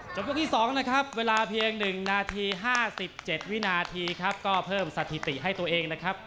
ยกที่๒นะครับเวลาเพียง๑นาที๕๗วินาทีครับก็เพิ่มสถิติให้ตัวเองนะครับ